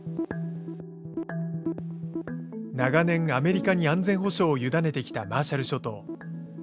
長年アメリカに安全保障を委ねてきたマーシャル諸島。